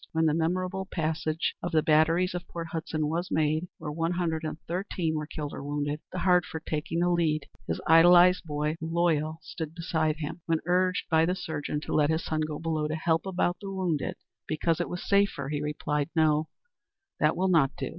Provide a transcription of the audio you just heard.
When the memorable passage of the batteries at Port Hudson was made, where one hundred and thirteen were killed or wounded, the Hartford taking the lead, his idolized boy, Loyall, stood beside him. When urged by the surgeon to let his son go below to help about the wounded, because it was safer, he replied, "No; that will not do.